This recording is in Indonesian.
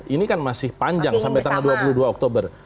ini kan masih panjang sampai tanggal dua puluh dua oktober